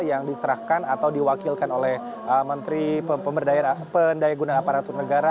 yang diserahkan atau diwakilkan oleh menteri pendaya gunaan aparatur negara